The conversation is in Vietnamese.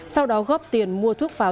sau đó góp tiền mua thuốc pháo